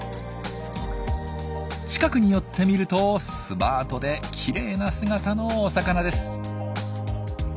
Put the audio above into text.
近くに寄って見るとスマートできれいな姿のお魚です。